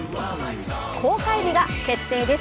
公開日が決定です。